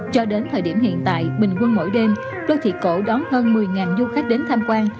cho đến thời điểm hiện tại bình quân mỗi đêm đô thị cổ đón hơn một mươi du khách đến tham quan